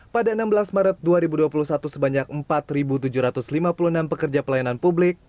pada enam belas maret dua ribu dua puluh satu sebanyak empat tujuh ratus lima puluh enam pekerja pelayanan publik